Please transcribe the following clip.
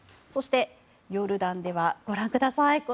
そして、ヨルダンではご覧ください